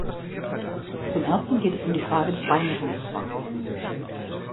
Zum Ersten geht es um die Frage des Beimischungszwangs.